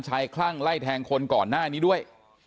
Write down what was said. คลั่งไล่แทงคนก่อนหน้านี้ด้วย